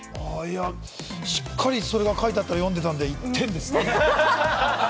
しっかりそれが書いてあったのを詠んでいたんで、１点です。